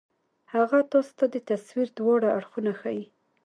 هغه تاسو ته د تصوير دواړه اړخونه ښائي